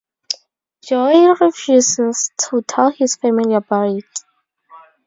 Joey refuses to tell his family about it.